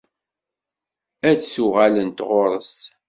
Ad d-uɣalent ɣur-s.